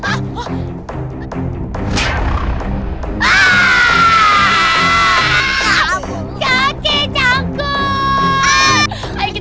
aduh kita kemana sini